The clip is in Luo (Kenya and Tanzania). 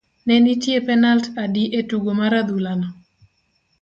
ne nitie penalt adi e tugo mar adhula no?